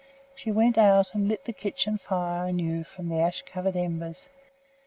She went out and lit the kitchen fire anew from the ash covered embers.